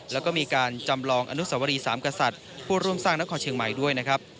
แล้วก็มีการจำลองอนุสวรีสามกษัตริย์ผู้ร่วมสร้างนครเชียงใหม่ด้วยนะครับ